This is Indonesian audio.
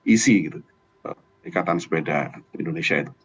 isi gitu ikatan sepeda indonesia itu